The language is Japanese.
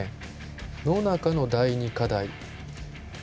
野中の第２課題。